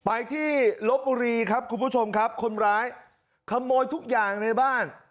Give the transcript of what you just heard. ไปที่ลบบุรีครับคุณผู้ชมครับคนร้ายขโมยทุกอย่างในบ้าน